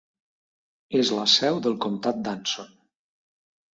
És la seu del comtat d'Anson.